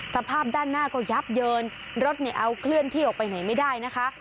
สภาพด้านหน้าก็ยับเยินรถเนี่ยเอาเคลื่อนที่ออกไปไหนไม่ได้นะคะ